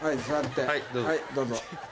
はいどうぞ。